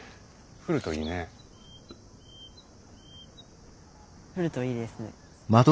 降るといいですね。